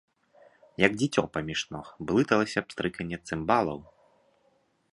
Як дзіцё паміж ног, блыталася пстрыканне цымбалаў.